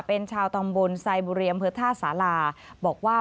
เป็นชาวตำบลไซบูเรียมพฤทธาษาลาบอกว่า